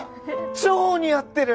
超似合ってる！